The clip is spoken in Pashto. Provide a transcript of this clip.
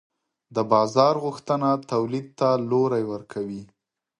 د بازار غوښتنه تولید ته لوری ورکوي.